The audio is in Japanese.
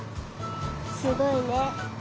すごいね。